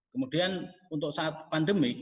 kemudian untuk saat pandemi